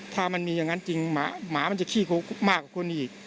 ถ้ามันมีอย่างนั้นจริงหมามันจะขี้มากกว่าคนอีก